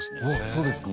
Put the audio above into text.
そうですか。